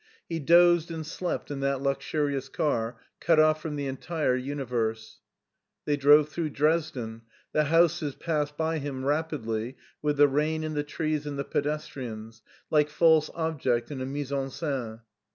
He dozed and slept in that luxurious car, cut off from the entire universe. They drove through Dresden ; the houses passed by him rapidly with the rain and the trees and the ped estrians, like false objects in a mise en seine.